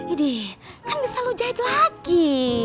ini kan bisa lo jahit lagi